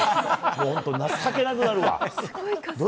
もう本当、情けなくなるわ。